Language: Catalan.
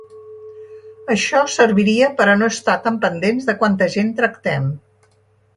Això serviria per a no estar tan pendents de quanta gent tractem.